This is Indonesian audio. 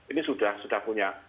ini sudah sudah punya